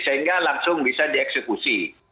sehingga langsung bisa dieksekusi